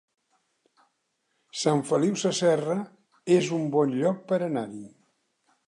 Sant Feliu Sasserra es un bon lloc per anar-hi